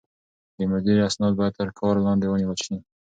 د مدير اسناد بايد تر کار لاندې ونيول شي.